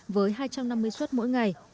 với hai trăm năm mươi xuất mỗi ngày